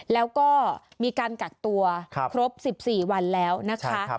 แล้วก็มีการกักตัวครบ๑๔วันแล้วนะคะ